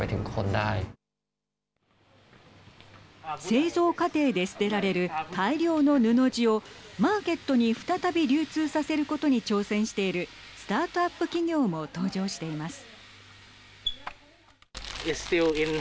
製造過程で捨てられる大量の布地をマーケットに再び流通させることに挑戦しているスタートアップ企業も登場しています。